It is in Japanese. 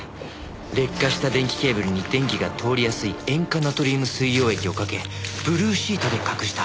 劣化した電気ケーブルに電気が通りやすい塩化ナトリウム水溶液をかけブルーシートで隠した